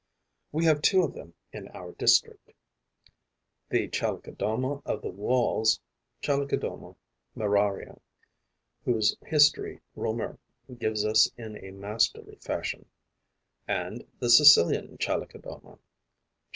We have two of them in our district: the Chalicodoma of the Walls (Chalicodoma muraria), whose history Reaumur gives us in a masterly fashion; and the Sicilian Chalicodoma (C.